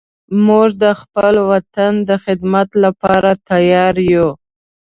موږ د خپل وطن د خدمت لپاره تیار یو